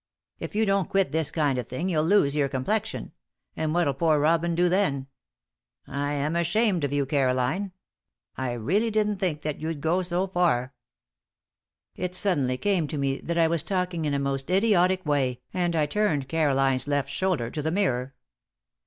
If you don't quit this kind of thing, you'll lose your complexion and what'll poor robin do then? I am ashamed of you, Caroline. I really didn't think that you'd go so far." It suddenly came to me that I was talking in a most idiotic way, and I turned Caroline's left shoulder to the mirror.